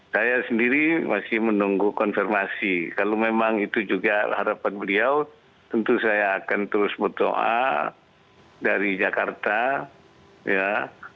saya sendiri masih menunggu konfirmasi kalau memang itu juga harapan beliau tentu saya akan terus berdoa dari jakarta ya tetapi saya masih menunggu konfirmasi beliau